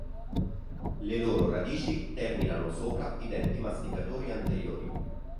Le loro radici terminano sopra i denti masticatori anteriori.